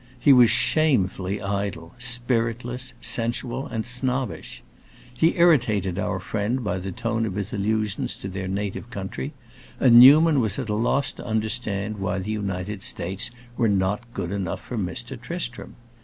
He was shamefully idle, spiritless, sensual, snobbish. He irritated our friend by the tone of his allusions to their native country, and Newman was at a loss to understand why the United States were not good enough for Mr. Tristram.